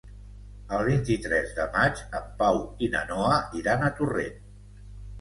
El vint-i-tres de maig en Pau i na Noa iran a Torrent.